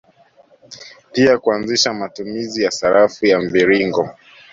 Pia kuanzisha matumizi ya sarafu ya mviringo